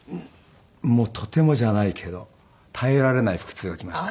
もうとてもじゃないけど耐えられない腹痛がきまして。